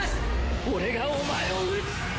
俺がお前を撃つ！